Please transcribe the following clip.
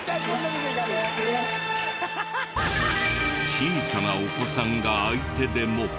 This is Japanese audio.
小さなお子さんが相手でも。